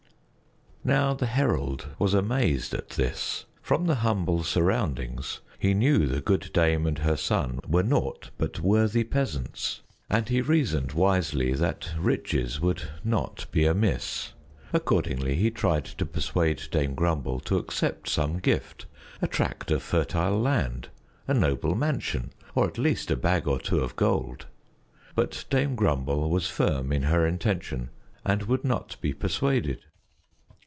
Now the herald was amazed at this. From the humble surroundings, he knew the good dame and her son were naught but worthy peasants, and he reasoned wisely that riches would not be amiss. Accordingly, he tried to persuade Dame Grumble to accept some gift, a tract of fertile land, a noble mansion, or at least a bag or two of gold; but Dame Grumble was firm in her intention and would not be persuaded.